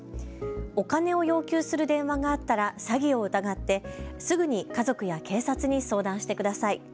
お金を要求する電話があったら詐欺を疑って、すぐに家族や警察に相談してください。